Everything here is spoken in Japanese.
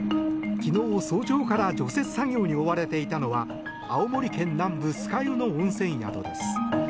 昨日早朝から除雪作業に追われていたのは青森県南部酸ケ湯の温泉宿です。